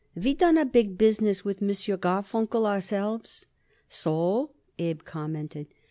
We done a big business with M. Garfunkel ourselves." "So?" Abe commented.